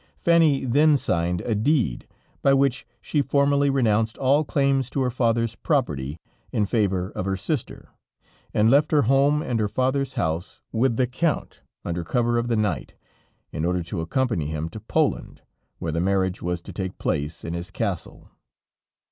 Fanny then signed a deed, by which she formerly renounced all claims to her father's property, in favor of her sister, and left her home and her father's house with the Count under cover of the night, in order to accompany him to Poland, where the marriage was to take place in his castle.